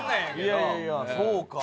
いやいやそうか。